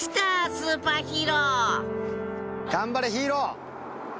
スーパーヒーロー頑張れヒーロー！